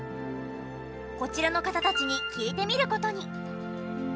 こちらの方たちに聞いてみる事に。